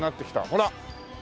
ほら！